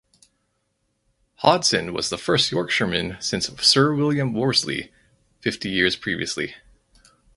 Hodson was the first Yorkshireman since Sir William Worsley fifty years previously.